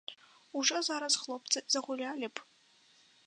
Ужо зараз хлопцы загулялі б!